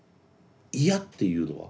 嫌っていうのは？